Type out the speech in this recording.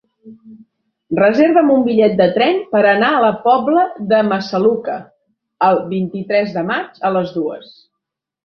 Reserva'm un bitllet de tren per anar a la Pobla de Massaluca el vint-i-tres de maig a les dues.